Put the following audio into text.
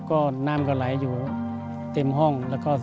ก็น้ำก็ไหลอยู่เต็มห้อง